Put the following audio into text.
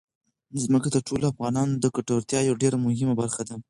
ځمکه د ټولو افغانانو د ګټورتیا یوه ډېره مهمه برخه ده.